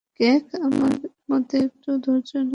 তোমার মধ্যে একটুও ধৈর্য নেই দেখছি।